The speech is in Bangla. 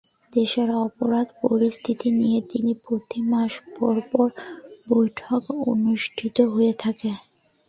দেশের অপরাধ পরিস্থিতি নিয়ে প্রতি তিন মাস পরপর বৈঠক অনুষ্ঠিত হয়ে থাকে।